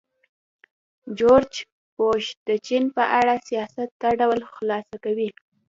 جورج بوش د چین په اړه سیاست دا ډول خلاصه کوي.